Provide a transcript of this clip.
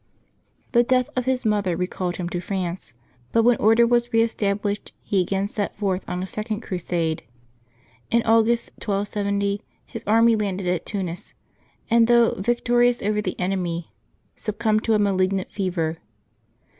The death of his 294 LIVES OF THE SAINTS [August 26 mother recalled him to France; but when order was re established he again set forth on a second crusade. In Au^st, 1270, his army landed at Tunis, and, though yic torious over the enemy, succumbed to a malignant fever.